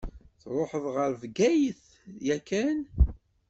Tṛuḥeḍ ɣer Bgayet yakan?